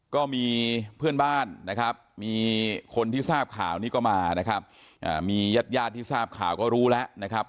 ก็มีเพื่อนบ้านนะครับมีคนที่ทราบข่าวนี้ก็มานะครับมีญาติญาติที่ทราบข่าวก็รู้แล้วนะครับ